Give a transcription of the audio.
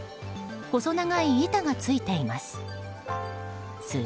細長い板がついています。